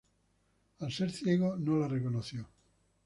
Al ser ciego no la reconoció.